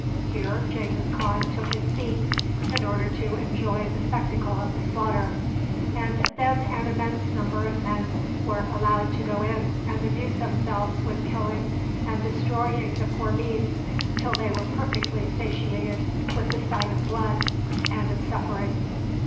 Here Genghis Khan took his seat in order to enjoy the spectacle of the slaughter, and then an immense number of men were allowed to go in and amuse themselves with killing and destroying the poor beasts till they were perfectly satiated with the sight of blood and of suffering.